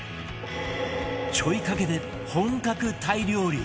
ちょいかけで本格タイ料理